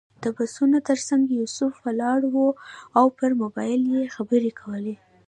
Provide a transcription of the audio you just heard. د بسونو تر څنګ یوسف ولاړ و او پر موبایل یې خبرې کولې.